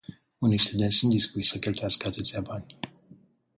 Unii studenți sunt dispuși să cheltuiască atâția bani.